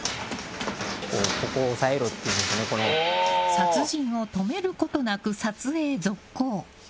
殺人を止めることなく撮影続行。